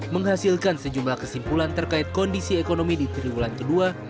menghasilkan sejumlah kesimpulan terkait kondisi ekonomi di triwulan ke dua dua ribu delapan belas